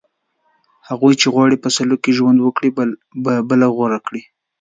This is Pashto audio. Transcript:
هغوی چې غواړي په سوله کې ژوند وکړي، به بله لاره غوره کړي